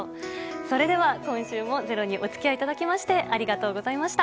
それでは今週もｚｅｒｏにおつきあいいただきましてありがとうございました。